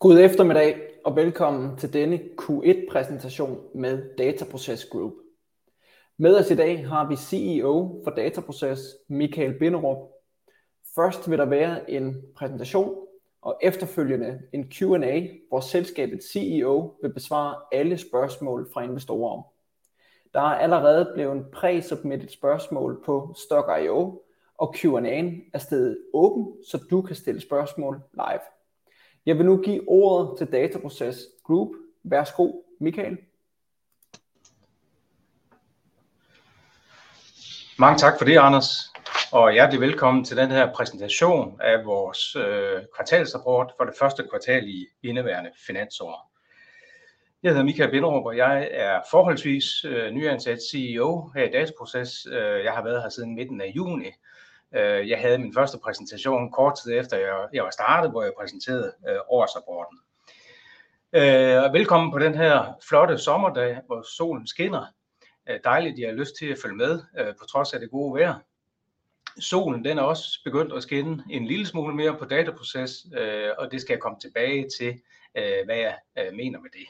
God eftermiddag og velkommen til denne Q1 præsentation med Dataprocess Group. Med os i dag har vi CEO for Dataprocess, Michael Binderup. Først vil der være en præsentation og efterfølgende en Q&A, hvor selskabets CEO vil besvare alle spørgsmål fra investorer. Der er allerede blevet præ-submitted spørgsmål på StockiO, og Q&A er stedet åben, så du kan stille spørgsmål live. Jeg vil nu give ordet til Dataprocess Group. Værsgo Michael! Mange tak for det Anders og hjertelig velkommen til den her præsentation af vores kvartalsrapport for det første kvartal i indeværende finansår. Jeg hedder Michael Binderup, og jeg er forholdsvis nyansat CEO her i Dataprocess. Jeg har været her siden midten af juni. Jeg havde min første præsentation kort tid efter, at jeg var startet, hvor jeg præsenterede årsrapporten. Velkommen på denne her flotte sommerdag, hvor solen skinner. Dejligt at I har lyst til at følge med på trods af det gode vejr. Solen er også begyndt at skinne en lille smule mere på Dataprocess, og det skal jeg komme tilbage til, hvad jeg mener med det.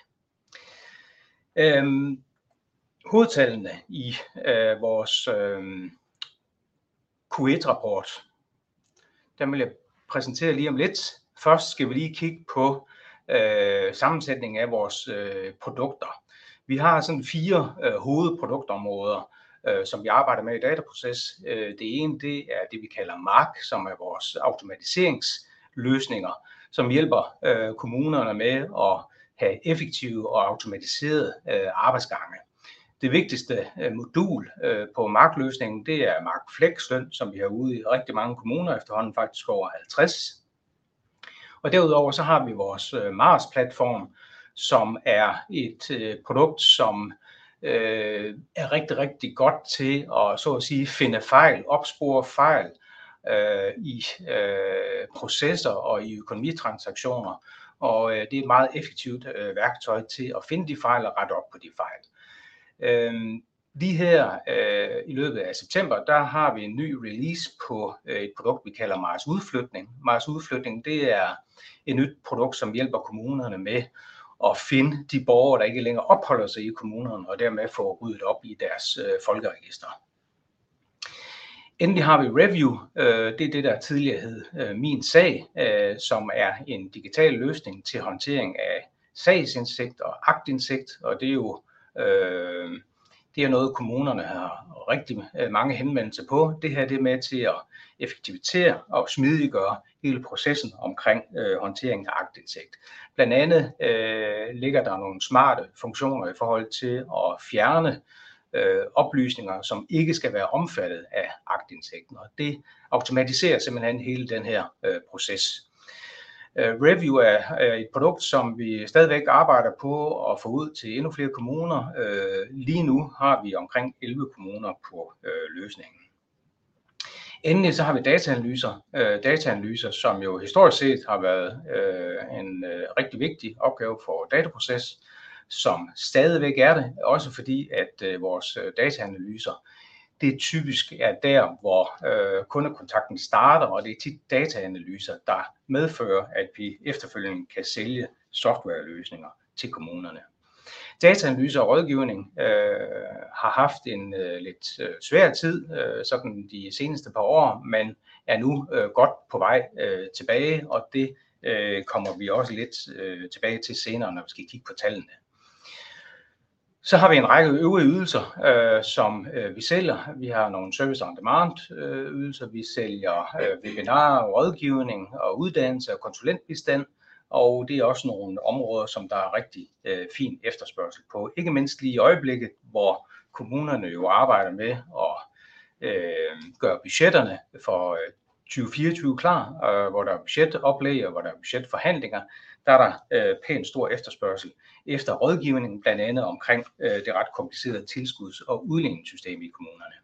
Hovedtallene i vores Q1 rapport, dem vil jeg præsentere lige om lidt. Først skal vi lige kigge på sammensætningen af vores produkter. Vi har sådan fire hovedproduktområder, som vi arbejder med i Dataprocess. Det ene er det, vi kalder MARC, som er vores automatiseringsløsninger, som hjælper kommunerne med at have effektive og automatiserede arbejdsgange. Det vigtigste modul på MARC løsningen er MARC Flexløn, som vi har ude i rigtig mange kommuner. Efterhånden faktisk over halvtreds. Derudover så har vi vores MARS platform, som er et produkt, som er rigtig, rigtig godt til at finde fejl og opspore fejl i processer og i økonomi transaktioner. Det er et meget effektivt værktøj til at finde de fejl og rette op på de fejl. Lige her i løbet af september, der har vi en ny release på et produkt, vi kalder MARS Udflytning. MARS Udflytning er et nyt produkt, som hjælper kommunerne med at finde de borgere, der ikke længere opholder sig i kommunerne, og dermed få ryddet op i deres folkeregister. Endelig har vi Review. Det er det, der tidligere hed Min sag, som er en digital løsning til håndtering af sagsindsigt og aktindsigt. Det er noget, kommunerne har rigtig mange henvendelser på. Det her er med til at effektivisere og smidiggøre hele processen omkring håndtering af aktindsigt. Blandt andet ligger der nogle smarte funktioner i forhold til at fjerne oplysninger, som ikke skal være omfattet af aktindsigten, og det automatiserer simpelthen hele den her proces. Review er et produkt, som vi stadigvæk arbejder på at få ud til endnu flere kommuner. Lige nu har vi omkring elleve kommuner på løsningen. Endelig har vi dataanalyser. Dataanalyser har historisk set været en rigtig vigtig opgave for Dataprocess, som stadigvæk er det. Også fordi at vores dataanalyser typisk er der, hvor kundekontakten starter, og det er tit dataanalyser, der medfører, at vi efterfølgende kan sælge softwareløsninger til kommunerne. Dataanalyse og rådgivning har haft en lidt svær tid sådan de seneste par år, men er nu godt på vej tilbage. Og det kommer vi også lidt tilbage til senere, når vi skal kigge på tallene. Så har vi en række øvrige ydelser, som vi sælger. Vi har nogle service on demand ydelser. Vi sælger webinarer, rådgivning og uddannelse og konsulentbistand. Og det er også nogle områder, som der er rigtig fin efterspørgsel på. Ikke mindst lige i øjeblikket, hvor kommunerne jo arbejder med at gøre budgetterne for 2024 klar, hvor der er budgetoplæg, og hvor der er budgetforhandlinger. Der er der pænt stor efterspørgsel efter rådgivning, blandt andet omkring det ret komplicerede tilskuds- og udligningssystem i kommunerne.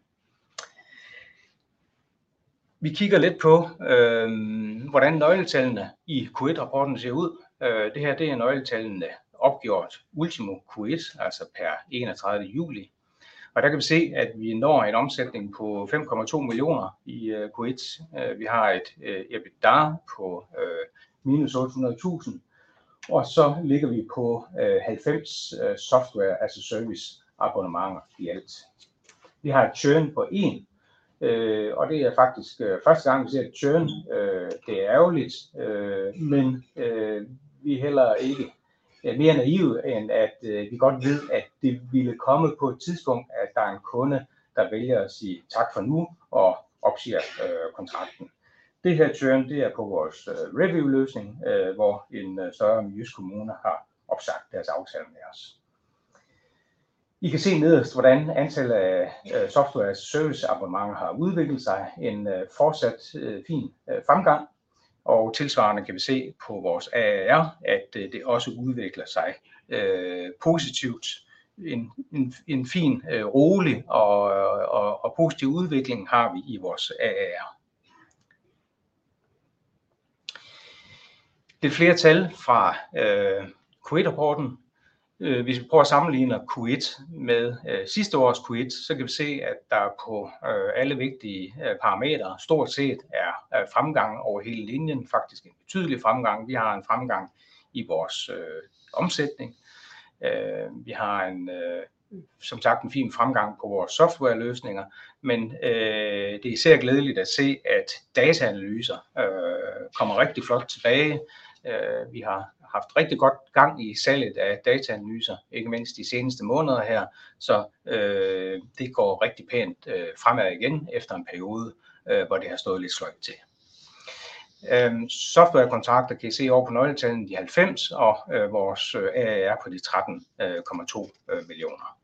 Vi kigger lidt på, hvordan nøgletallene i Q1-rapporten ser ud. Det her er nøgletallene opgjort ultimo Q1, altså pr. 31. Juli, og der kan vi se, at vi når en omsætning på DKK 5,2 millioner i Q1. Vi har et EBITDA på minus DKK 800.000, og så ligger vi på 90 software, altså service abonnementer i alt. Vi har et churn på én, og det er faktisk første gang vi ser et churn. Det er ærgerligt, men vi er heller ikke mere naive, end at vi godt ved, at det ville komme på et tidspunkt, at der er en kunde, der vælger at sige tak for nu og opsiger kontrakten. Det her churn, det er på vores review løsning, hvor en større jysk kommune har opsagt deres aftale med os. I kan se nederst, hvordan antallet af software service abonnementer har udviklet sig. En fortsat fin fremgang og tilsvarende kan vi se på vores AR, at det også udvikler sig positivt. Fin, rolig og positiv udvikling har vi i vores ARR. Lidt flere tal fra Q1 rapporten. Hvis vi prøver at sammenligne Q1 med sidste års Q1, så kan vi se, at der på alle vigtige parametre stort set er fremgang over hele linjen. Faktisk en betydelig fremgang. Vi har en fremgang i vores omsætning. Vi har som sagt en fin fremgang på vores softwareløsninger. Men det er især glædeligt at se, at dataanalyser kommer rigtig flot tilbage. Vi har haft rigtig godt gang i salget af dataanalyser, ikke mindst de seneste måneder her, så det går rigtig pænt fremad igen efter en periode, hvor det har stået lidt sløjt til. Software kontrakter kan I se ovre på nøgletallene de 90 og vores ARR på de 13,2 millioner.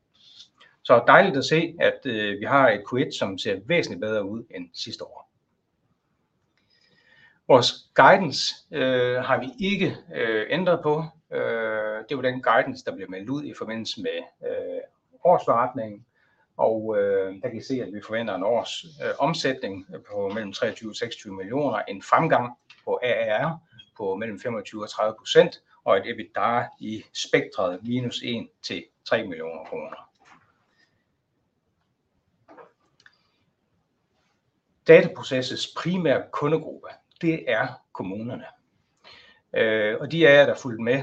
Så dejligt at se, at vi har et Q1, som ser væsentligt bedre ud end sidste år. Vores guidance har vi ikke ændret på. Det var den guidance, der blev meldt ud i forbindelse med årsberetningen, og der kan I se, at vi forventer en årsomsætning på mellem 23 og 26 millioner. En fremgang på ARR på mellem 25% og 30% og et EBITDA i spektret minus 1 til 3 millioner kroner. Dataprocesses primære kundegruppe, det er kommunerne, og de af jer, der fulgte med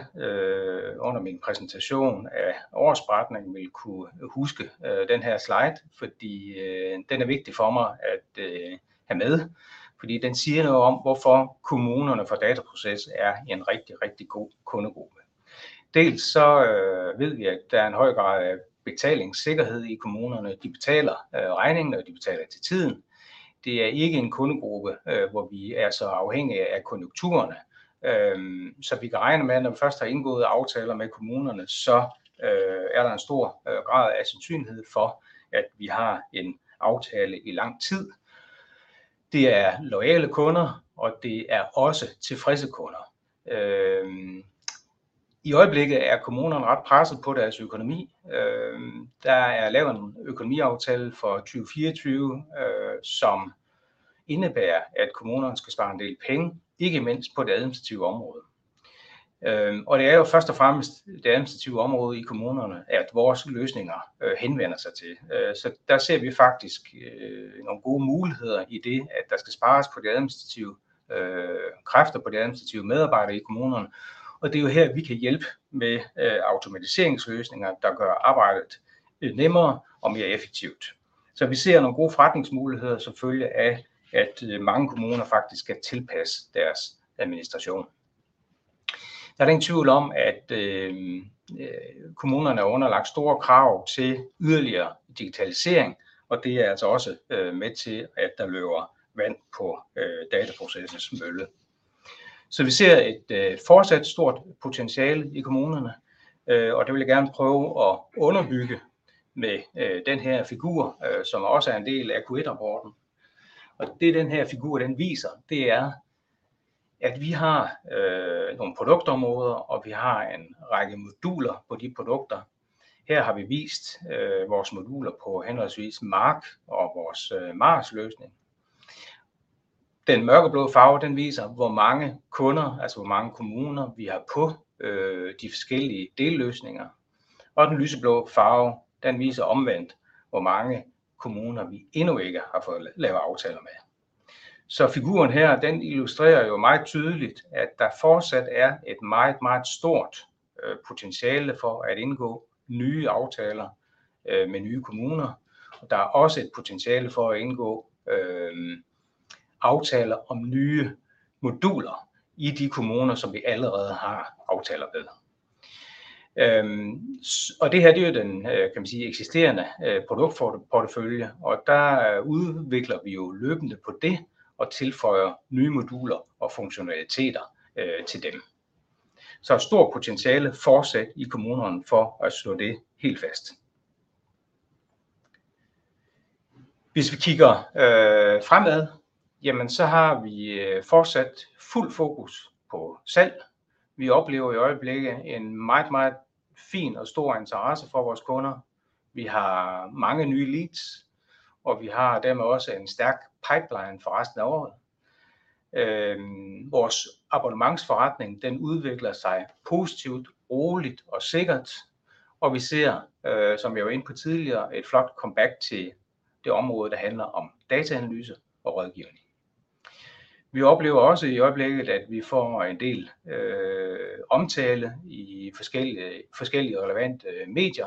under min præsentation af årsberetningen, vil kunne huske den her slide, fordi den er vigtig for mig at have med, fordi den siger noget om, hvorfor kommunerne for Dataproces er en rigtig, rigtig god kundegruppe. Dels så ved vi, at der er en høj grad af betalingssikkerhed i kommunerne. De betaler regningen, og de betaler til tiden. Det er ikke en kundegruppe, hvor vi er så afhængige af konjunkturerne, så vi kan regne med, at når vi først har indgået aftaler med kommunerne, så er der en stor grad af sandsynlighed for, at vi har en aftale i lang tid. Det er loyale kunder, og det er også tilfredse kunder. I øjeblikket er kommunerne ret presset på deres økonomi. Der er lavet en økonomiaftale for 2024, som indebærer, at kommunerne skal spare en del penge, ikke mindst på det administrative område. Det er jo først og fremmest det administrative område i kommunerne, at vores løsninger henvender sig til. Så der ser vi faktisk nogle gode muligheder i det, at der skal spares på de administrative kræfter på de administrative medarbejdere i kommunerne. Det er jo her, vi kan hjælpe med automatiseringsløsninger, der gør arbejdet nemmere og mere effektivt. Vi ser nogle gode forretningsmuligheder som følge af, at mange kommuner faktisk skal tilpasse deres administration. Der er ingen tvivl om, at kommunerne er underlagt store krav til yderligere digitalisering, og det er altså også med til, at der løber vand på Dataprocesses mølle. Vi ser et fortsat stort potentiale i kommunerne, og det vil jeg gerne prøve at underbygge med den her figur, som også er en del af Q1 rapporten. Det er den her figur, den viser, det er, at vi har nogle produktområder, og vi har en række moduler på de produkter. Her har vi vist vores moduler på henholdsvis MARC og vores MARS løsning. Den mørkeblå farve viser, hvor mange kunder, altså hvor mange kommuner vi har på de forskellige delløsninger og den lyseblå farve. Den viser omvendt, hvor mange kommuner vi endnu ikke har fået lavet aftaler med. Figuren her illustrerer jo meget tydeligt, at der fortsat er et meget, meget stort potentiale for at indgå nye aftaler med nye kommuner. Der er også et potentiale for at indgå aftaler om nye moduler i de kommuner, som vi allerede har aftaler med. Det her er jo den eksisterende produktportefølje, og der udvikler vi jo løbende på det og tilføjer nye moduler og funktionaliteter til dem. Stort potentiale fortsat i kommunerne for at slå det helt fast. Hvis vi kigger fremad, jamen så har vi fortsat fuld fokus på salg. Vi oplever i øjeblikket en meget, meget fin og stor interesse fra vores kunder. Vi har mange nye leads, og vi har dermed også en stærk pipeline for resten af året. Vores abonnementsforretning udvikler sig positivt, roligt og sikkert, og vi ser, som jeg var inde på tidligere, et flot comeback til det område, der handler om dataanalyse og rådgivning. Vi oplever også i øjeblikket, at vi får en del omtale i forskellige relevante medier.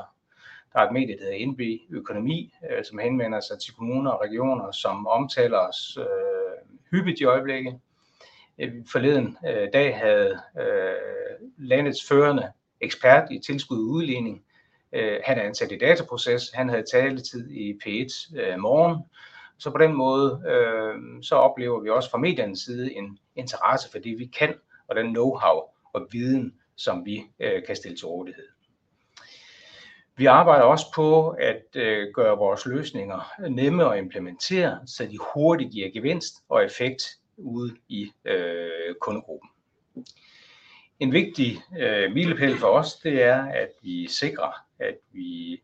Der er et medie, der hedder NB Økonomi, som henvender sig til kommuner og regioner, som omtaler os hyppigt i øjeblikket. Forleden dag havde landets førende ekspert i tilskud og udligning. Han er ansat i Dataproces. Han havde taletid i P1 Morgen. Så på den måde oplever vi også fra mediernes side en interesse for det, vi kan, og den knowhow og viden, som vi kan stille til rådighed. Vi arbejder også på at gøre vores løsninger nemme at implementere, så de hurtigt giver gevinst og effekt ude i kundegruppen. En vigtig milepæl for os er, at vi sikrer, at vi....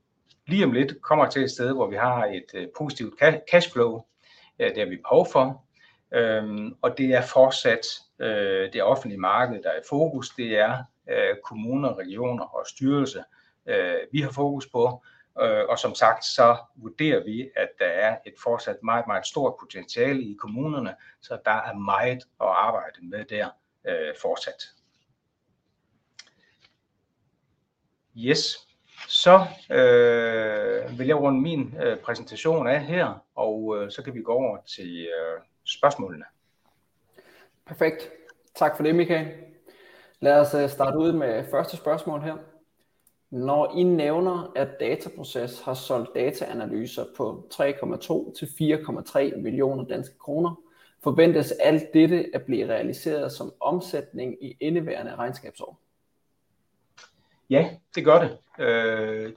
Lige om lidt kommer til et sted, hvor vi har et positivt cashflow. Det har vi behov for, og det er fortsat det offentlige marked, der er i fokus. Det er kommuner, regioner og styrelse. Vi har fokus på, og som sagt, så vurderer vi, at der er et fortsat meget, meget stort potentiale i kommunerne, så der er meget at arbejde med der fortsat. Så vil jeg runde min præsentation af her, og så kan vi gå over til spørgsmålene. Perfekt. Tak for det, Michael. Lad os starte ud med første spørgsmål her. Når I nævner, at Data Proces har solgt dataanalyser på DKK 3,2 til 4,3 millioner, forventes alt dette at blive realiseret som omsætning i indeværende regnskabsår? Ja, det gør det.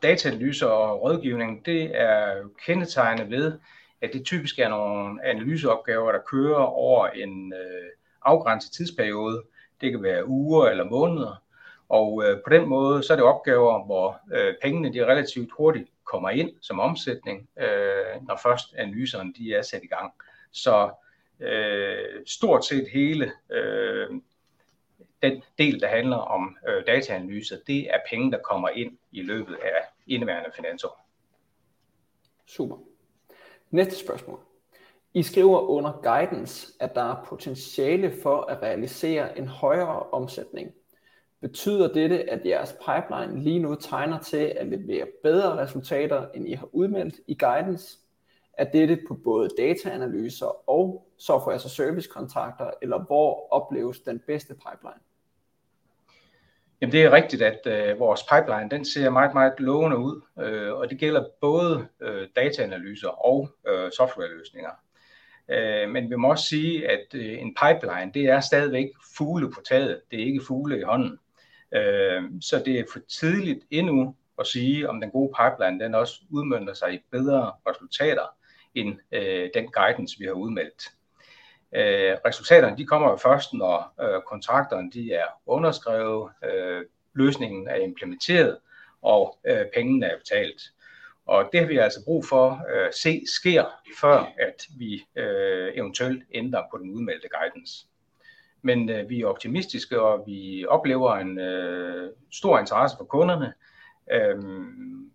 Dataanalyse og rådgivning er kendetegnet ved, at det typisk er nogle analyseopgaver, der kører over en afgrænset tidsperiode. Det kan være uger eller måneder, og på den måde er det opgaver, hvor pengene relativt hurtigt kommer ind som omsætning. Når først analyserne er sat i gang, så stort set hele den del, der handler om dataanalyse, det er penge, der kommer ind i løbet af indeværende finansår. Super! Næste spørgsmål. I skriver under guidance, at der er potentiale for at realisere en højere omsætning. Betyder dette, at jeres pipeline lige nu tegner til at levere bedre resultater, end I har udmeldt i guidance? Er dette på både dataanalyser og software as a service kontrakter, eller hvor opleves den bedste pipeline? Jamen, det er rigtigt, at vores pipeline ser meget, meget lovende ud, og det gælder både dataanalyser og softwareløsninger. Men vi må også sige, at en pipeline er stadigvæk fugle på taget. Det er ikke fugle i hånden, så det er for tidligt endnu at sige, om den gode pipeline også udmønter sig i bedre resultater end den guidance, vi har udmeldt. Resultaterne kommer jo først, når kontrakterne er underskrevet, løsningen er implementeret, og pengene er betalt. Og det har vi altså brug for at se sker, før at vi eventuelt ændrer på den udmeldte guidance. Men vi er optimistiske, og vi oplever en stor interesse fra kunderne,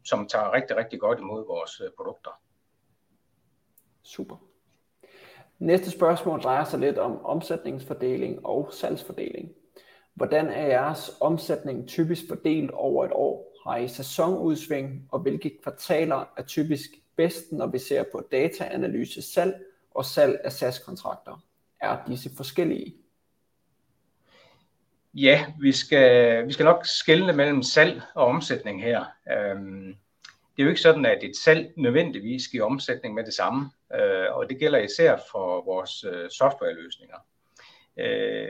som tager rigtig, rigtig godt imod vores produkter. Super! Næste spørgsmål drejer sig lidt om omsætningsfordeling og salgsfordeling. Hvordan er jeres omsætning typisk fordelt over et år? Har I sæsonudsving, og hvilke kvartaler er typisk bedst, når vi ser på dataanalyse, salg og salg af SAS kontrakter? Er disse forskellige? Ja, vi skal. Vi skal nok skelne mellem salg og omsætning her. Det er jo ikke sådan, at et salg nødvendigvis giver omsætning med det samme, og det gælder især for vores softwareløsninger.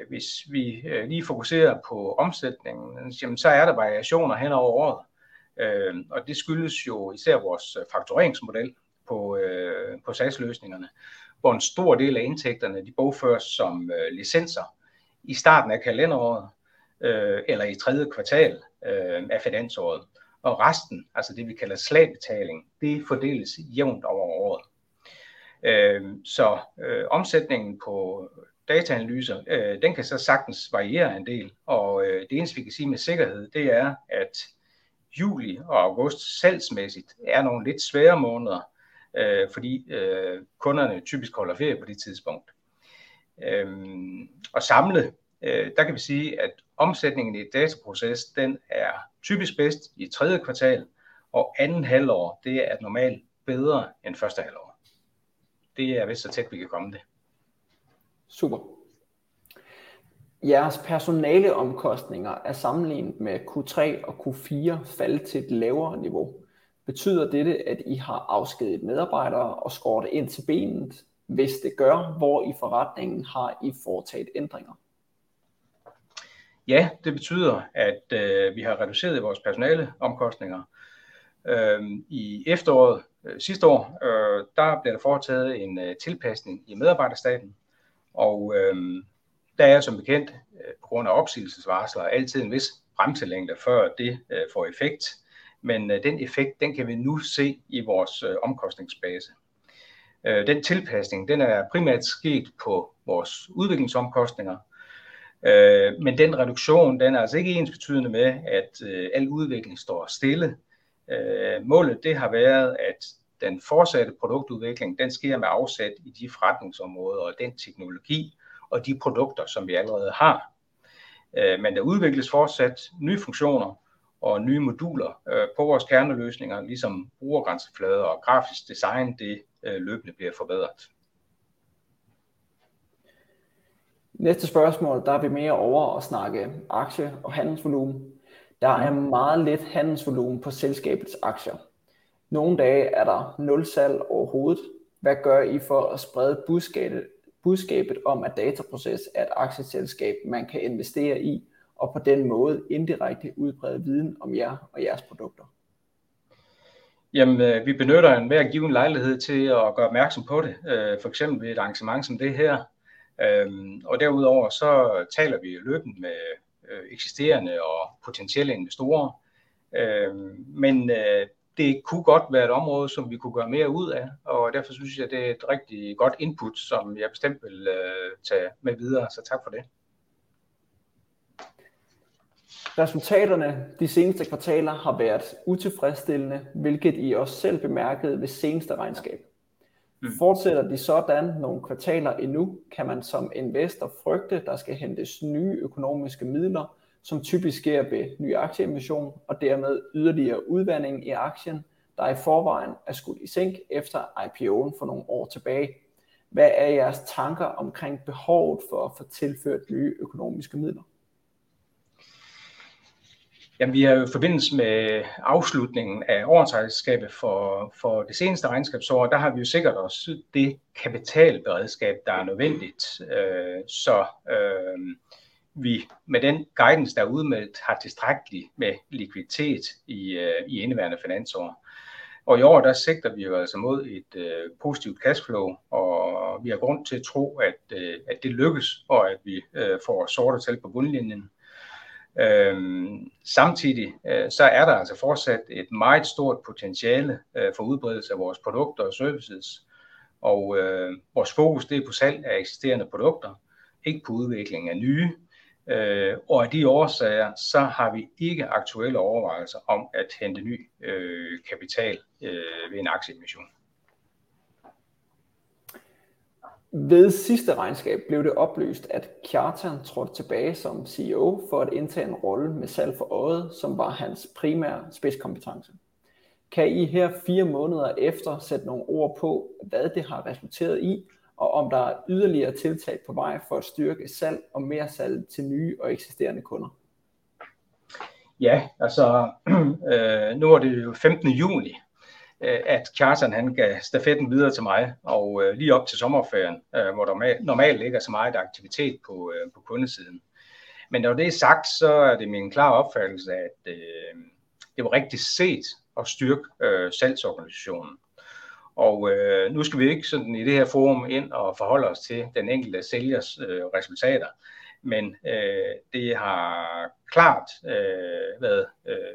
Hvis vi lige fokuserer på omsætningen, så er der variationer hen over året, og det skyldes jo især vores faktureringsmodel på SaaS-løsningerne, hvor en stor del af indtægterne bogføres som licenser i starten af kalenderåret eller i tredje kvartal af finansåret. Resten, altså det vi kalder slag betaling, det fordeles jævnt over året, så omsætningen på dataanalyser kan sagtens variere en del, og det eneste vi kan sige med sikkerhed er, at juli og august salgsmæssigt er nogle lidt svære måneder, fordi kunderne typisk holder ferie på det tidspunkt. Samlet kan vi sige, at omsætningen i dataproces er typisk bedst i tredje kvartal, og anden halvår er normalt bedre end første halvår. Det er vist så tæt, vi kan komme det. Super! Jeres personaleomkostninger er sammenlignet med Q3 og Q4 faldet til et lavere niveau. Betyder dette, at I har afskediget medarbejdere og skåret ind til benet? Hvis det gør, hvor i forretningen har I foretaget ændringer? Ja, det betyder, at vi har reduceret i vores personaleomkostninger i efteråret sidste år. Der blev der foretaget en tilpasning i medarbejderstaben, og der er som bekendt på grund af opsigelsesvarsler altid en vis bremselængde, før det får effekt. Men den effekt kan vi nu se i vores omkostningsbase. Den tilpasning er primært sket på vores udviklingsomkostninger, men den reduktion er altså ikke ensbetydende med, at al udvikling står stille. Målet har været, at den fortsatte produktudvikling sker med afsæt i de forretningsområder og den teknologi og de produkter, som vi allerede har. Men der udvikles fortsat nye funktioner og nye moduler på vores kerneløsninger, ligesom brugergrænseflader og grafisk design løbende bliver forbedret. Næste spørgsmål. Der er vi mere ovre og snakke aktie og handelsvolumen. Der er meget lidt handelsvolumen på selskabets aktier. Nogle dage er der nul salg overhovedet. Hvad gør I for at sprede budskabet? Budskabet om at Dataproces er et aktieselskab man kan investere i, og på den måde indirekte udbrede viden om jer og jeres produkter. Jamen vi benytter enhver given lejlighed til at gøre opmærksom på det. For eksempel ved et arrangement som det her. Og derudover så taler vi løbende med eksisterende og potentielle investorer. Men det kunne godt være et område, som vi kunne gøre mere ud af, og derfor synes jeg, det er et rigtig godt input, som jeg bestemt vil tage med videre. Så tak for det! Resultaterne de seneste kvartaler har været utilfredsstillende, hvilket I også selv bemærkede ved seneste regnskab. Fortsætter det sådan nogle kvartaler endnu, kan man som investor frygte, at der skal hentes nye økonomiske midler, som typisk sker ved ny aktieemission og dermed yderligere udvanding i aktien, der i forvejen er skudt i sænk efter IPO'en for nogle år tilbage. Hvad er jeres tanker omkring behovet for at få tilført nye økonomiske midler? Jamen, vi har jo i forbindelse med afslutningen af årsregnskabet for det seneste regnskabsår. Der har vi jo sikret os det kapitalberedskab, der er nødvendigt, så vi med den guidance, der er udmøntet, har tilstrækkeligt med likviditet i indeværende finansår og i år. Der sigter vi altså mod et positivt cashflow, og vi har grund til at tro, at det lykkes, og at vi får sorte tal på bundlinjen. Samtidig så er der altså fortsat et meget stort potentiale for udbredelse af vores produkter og services, og vores fokus er på salg af eksisterende produkter, ikke på udvikling af nye. Af de årsager, så har vi ikke aktuelle overvejelser om at hente ny kapital ved en aktieemission. Ved sidste regnskab blev det oplyst, at Kjartan trådte tilbage som CEO for at indtage en rolle med salg for øjet, som var hans primære spidskompetence. Kan I her fire måneder efter sætte nogle ord på, hvad det har resulteret i, og om der er yderligere tiltag på vej for at styrke salg og mersalg til nye og eksisterende kunder? Ja, altså nu var det jo 15. juni, at Kjartan han gav stafetten videre til mig og lige op til sommerferien, hvor der normalt ikke er så meget aktivitet på kundesiden. Men når det er sagt, så er det min klare opfattelse, at det var rigtigt set at styrke salgsorganisationen. Nu skal vi ikke i det her forum ind og forholde os til den enkelte sælgers resultater. Men det har klart været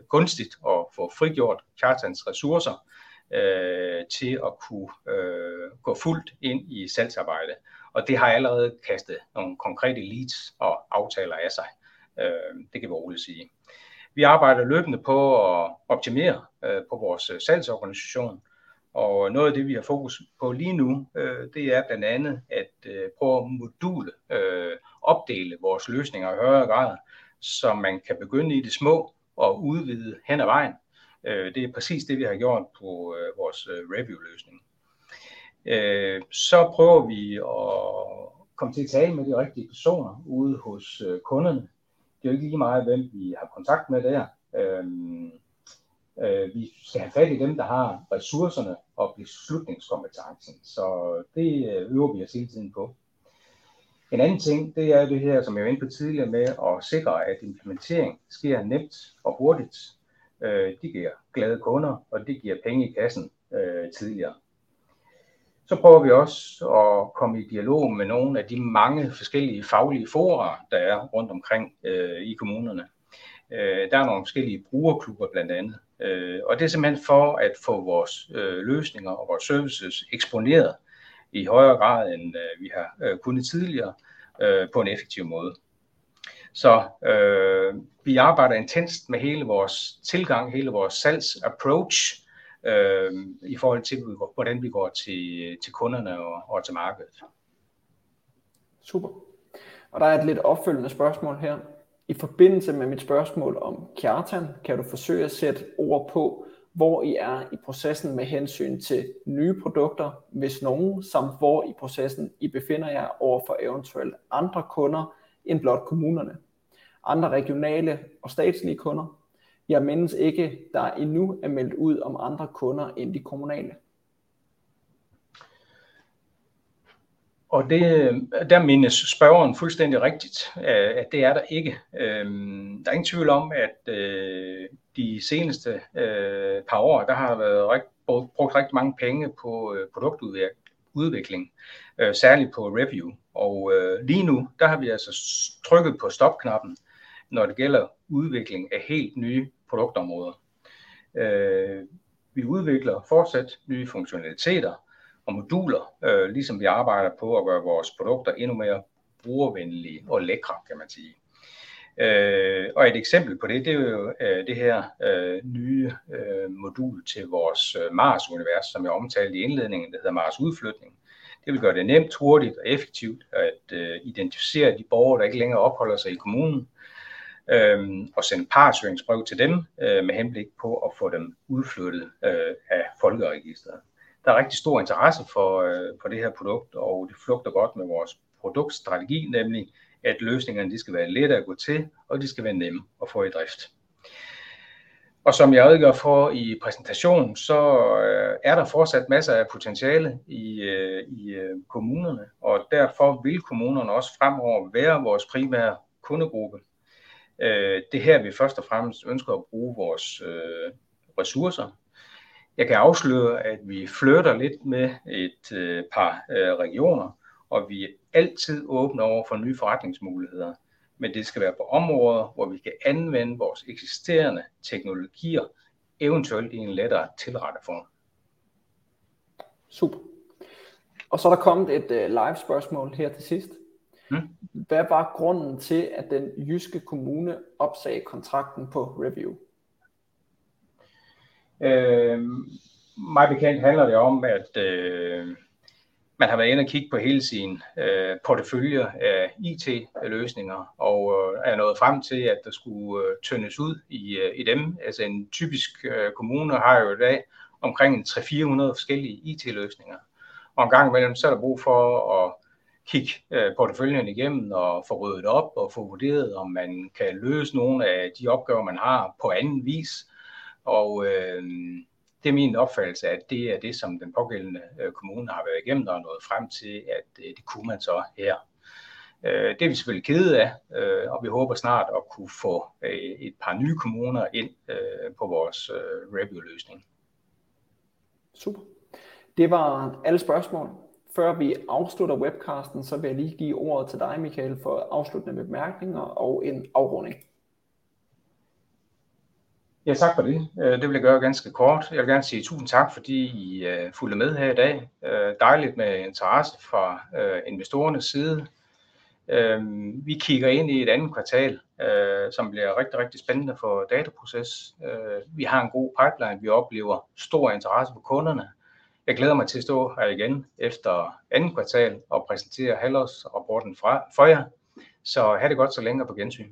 gunstigt at få frigjort Kjartans ressourcer til at kunne gå fuldt ind i salgsarbejdet, og det har allerede kastet nogle konkrete leads og aftaler af sig. Det kan vi roligt sige. Vi arbejder løbende på at optimere på vores salgsorganisation, og noget af det, vi har fokus på lige nu, er blandt andet at prøve at modulopdele vores løsninger i højere grad, så man kan begynde i det små og udvide hen ad vejen. Det er præcis det, vi har gjort på vores review løsning. Så prøver vi at komme til at tale med de rigtige personer ude hos kunderne. Det er jo ikke lige meget, hvem vi har kontakt med der. Vi skal have fat i dem, der har ressourcerne og beslutningskompetencen, så det øver vi os hele tiden på. En anden ting er det her, som jeg var inde på tidligere med at sikre, at implementeringen sker nemt og hurtigt. Det giver glade kunder, og det giver penge i kassen tidligere. Så prøver vi også at komme i dialog med nogle af de mange forskellige faglige fora, der er rundt omkring i kommunerne. Der er nogle forskellige brugerklubber blandt andet, og det er simpelthen for at få vores løsninger og vores services eksponeret i højere grad, end vi har kunnet tidligere. På en effektiv måde. Vi arbejder intenst med hele vores tilgang, hele vores salgs approach i forhold til hvordan vi går til kunderne og til markedet. Super! Og der er et lidt opfølgende spørgsmål her. I forbindelse med mit spørgsmål om Kjartan, kan du forsøge at sætte ord på, hvor I er i processen med hensyn til nye produkter, hvis nogen samt hvor i processen I befinder jer over for eventuelt andre kunder end blot kommunerne, andre regionale og statslige kunder. Jeg mindes ikke, at der endnu er meldt ud om andre kunder end de kommunale. Og det mindes spørgeren fuldstændig rigtigt, at det er der ikke. Der er ingen tvivl om, at de seneste par år, der har været brugt rigtig mange penge på produktudvikling og udvikling. Særligt på review. Og lige nu har vi altså trykket på stopknappen, når det gælder udvikling af helt nye produktområder. Vi udvikler fortsat nye funktionaliteter og moduler, ligesom vi arbejder på at gøre vores produkter endnu mere brugervenlige og lækre, kan man sige. Et eksempel på det er jo det her nye modul til vores Mars univers, som jeg omtalte i indledningen, der hedder Mars udflytning. Det vil gøre det nemt, hurtigt og effektivt at identificere de borgere, der ikke længere opholder sig i kommunen, og sende pars søgnings brev til dem med henblik på at få dem udflyttet af folkeregisteret. Der er rigtig stor interesse for det her produkt, og det flugter godt med vores produktstrategi, nemlig at løsningerne skal være lette at gå til, og de skal være nemme at få i drift. Og som jeg redegør for i præsentationen, så er der fortsat masser af potentiale i kommunerne, og derfor vil kommunerne også fremover være vores primære kundegruppe. Det er her, vi først og fremmest ønsker at bruge vores ressourcer. Jeg kan afsløre, at vi flirter lidt med et par regioner, og vi er altid åbne over for nye forretningsmuligheder. Men det skal være på områder, hvor vi kan anvende vores eksisterende teknologier, eventuelt i en lettere tilrettet form. Super! Og så er der kommet et live spørgsmål her til sidst. Hvad var grunden til, at den jyske kommune opsagde kontrakten på Review? Mig bekendt handler det om, at man har været inde og kigge på hele sin portefølje af IT-løsninger og er nået frem til, at der skulle tyndes ud i dem. Altså, en typisk kommune har jo i dag omkring 3-400 forskellige IT-løsninger, og engang imellem så er der brug for at kigge porteføljen igennem og få ryddet op og få vurderet, om man kan løse nogle af de opgaver, man har på anden vis. Det er min opfattelse, at det er det, som den pågældende kommune har været igennem og er nået frem til, at det kunne man så her. Det er vi selvfølgelig kede af, og vi håber snart at kunne få et par nye kommuner ind på vores review-løsning. Super! Det var alle spørgsmål. Før vi afslutter webcastet, så vil jeg lige give ordet til dig, Michael, for afsluttende bemærkninger og en afrunding. Ja, tak for det. Det vil jeg gøre ganske kort. Jeg vil gerne sige tusind tak, fordi I fulgte med her i dag. Dejligt med interesse fra investorernes side. Vi kigger ind i et andet kvartal, som bliver rigtig, rigtig spændende for Dataproces. Vi har en god pipeline. Vi oplever stor interesse fra kunderne. Jeg glæder mig til at stå her igen efter andet kvartal og præsentere halvårsrapporten for jer. Så hav det godt så længe og på gensyn!